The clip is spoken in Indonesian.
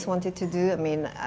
anda terus meneruskan